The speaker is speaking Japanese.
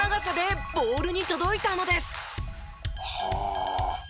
「はあ」